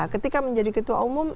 ketika menjadi ketua umum